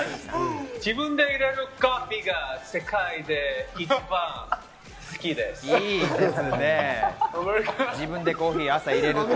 自分で淹れるコーヒーが世界で一番好きです。